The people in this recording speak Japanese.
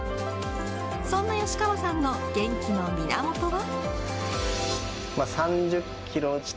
そんな吉川さんの元気の源は。